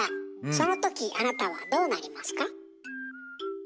その時あなたはどうなりますか？